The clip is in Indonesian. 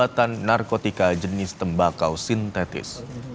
ternyata kemungkinan penyita narkotika jenis tembakau sintetis